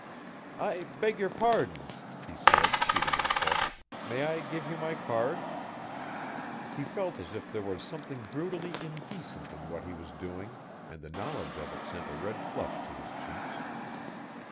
"I beg your pardon," he said, seating himself. "May I give you my card?" He felt as if there was something brutally indecent in what he was doing and the knowledge of it sent a red flush to his cheeks.